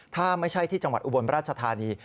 ถ้าไม่ใช่ที่จังหวัดอุบลราชธานี